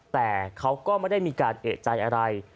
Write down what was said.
แต่เขาก็ไม่ได้มีการเอกใจอะไร